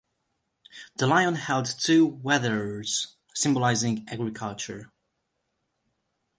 The lion held two wheatears, symbolising agriculture.